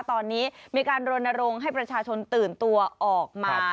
ตอนนี้มีการรณรงค์ให้ประชาชนตื่นตัวออกมา